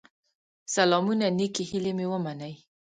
سلامونه نيکي هيلي مي ومنئ